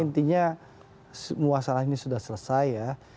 intinya semua salah ini sudah selesai ya